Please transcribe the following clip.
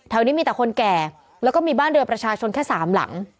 นี้มีแต่คนแก่แล้วก็มีบ้านเรือประชาชนแค่สามหลัง